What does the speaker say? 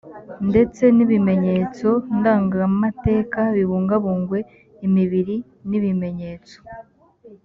ndetse n’ibimenyetso ndangamateka bibungabungwe imibiri n’ibimenyetso